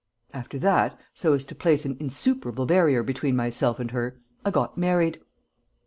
"After that, so as to place an insuperable barrier between myself and her, I got married."